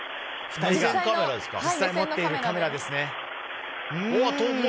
実際に持っているカメラですね。